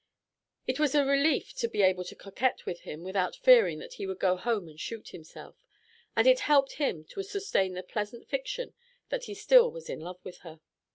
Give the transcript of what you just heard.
It was a relief to be able to coquet with him without fearing that he would go home and shoot himself; and it helped him to sustain the pleasant fiction that he still was in love with her.